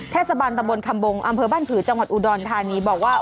เทศบาลตะบนคำบงอำเภอบ้านผือจังหวัดอุดรธานีบอกว่า